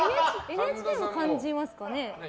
ＮＨＫは感じますか？